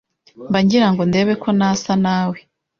mba ngirango ndebe ko nasa nawe